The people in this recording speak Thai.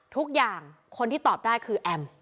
ทุกคนคนที่ตอบได้คือแอม